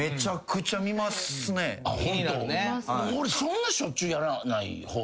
俺そんなしょっちゅうやらない方。